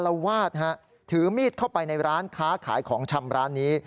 ละวาดฮะถือมีดเข้าไปในร้านค้าขายของชำร้านนี้